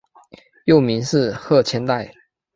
幼名是鹤千代。